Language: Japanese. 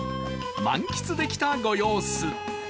満喫できたご様子。